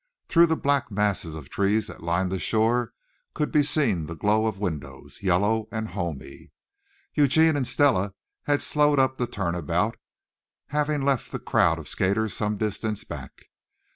Through the black masses of trees that lined the shore could be seen the glow of windows, yellow and homey. Eugene and Stella had slowed up to turn about, having left the crowd of skaters some distance back.